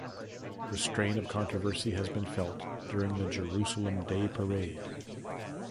The strain of controversy has been felt during the Jerusalem day parade.